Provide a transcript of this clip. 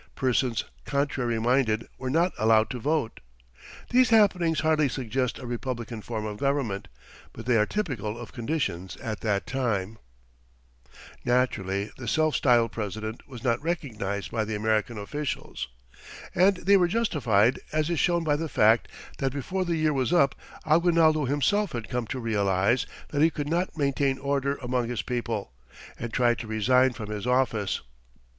Persons "contrary minded" were not allowed to vote. These happenings hardly suggest a republican form of government, but they are typical of conditions at that time. [Illustration: AGUINALDO'S PALACE AT MALOLOS.] Naturally the self styled president was not recognized by the American officials, and they were justified, as is shown by the fact that before the year was up Aguinaldo himself had come to realize that he could not maintain order among his people, and tried to resign from his office.